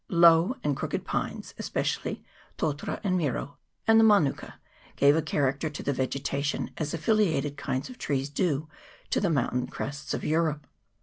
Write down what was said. Low and crooked pines, especially totara and miro, and the manuka, gave a character to the vegetation as affiliated kinds of trees do to the mountain crests of Europe.